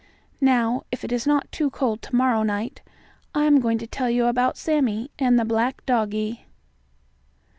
Now, if it is not too cold to morrow night, I am going to tell you about Sammie and the black doggie.